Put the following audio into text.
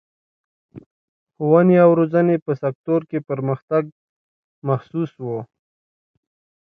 د ښوونې او روزنې په سکتور کې پرمختګ محسوس و.